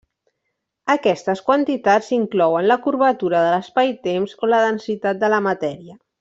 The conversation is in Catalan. Aquestes quantitats inclouen la curvatura de l'espaitemps o la densitat de la matèria.